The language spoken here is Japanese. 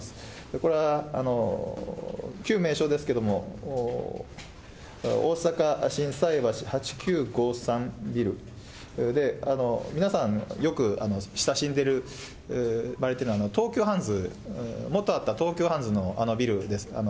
これは旧名称ですけれども、大阪心斎橋８９５３ビルで、皆さん、よく親しまれてる東急ハンズ、もとあった東急ハンズのあのビルです。